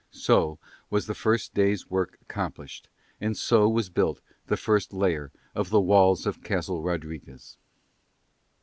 So was the first day's work accomplished and so was built the first layer of the walls of Castle Rodriguez.